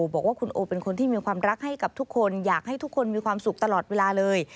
บอกว่าคุณโอเป็นคนที่มีความรักให้กับทุกคนอยากให้ทุกคนมีความสุขตลอดเวลาเลย